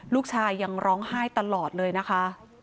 ลูกชายยังร้องไห้ตลอดเลยนะคะ